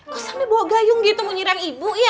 kok sambil bawa gayung gitu mau nyirang ibu ya